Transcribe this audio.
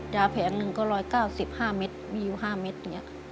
ยาแผงหนึ่งก็๑๙๕เมตรวิว๕เมตร